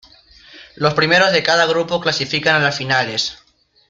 Los primeros de cada grupo clasifican a las finales.